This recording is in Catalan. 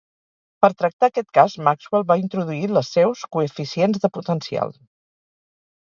Per tractar aquest cas Maxwell va introduir les seus coeficients de potencial.